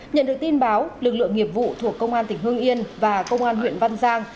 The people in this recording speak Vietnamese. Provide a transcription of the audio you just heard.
nhận được tin báo lực lượng nghiệp vụ thuộc công an tỉnh hương yên và công an huyện văn giang